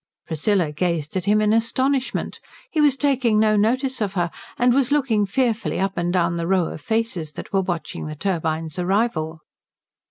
Priscilla gazed at him in astonishment. He was taking no notice of her, and was looking fearfully up and down the row of faces that were watching the turbine's arrival.